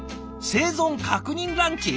「生存確認ランチ」？